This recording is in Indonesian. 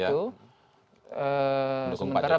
mendukung pak jokowi